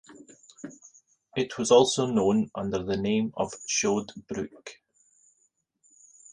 It was also known under the name of Chaud brook.